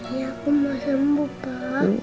iya aku mau sembuh pak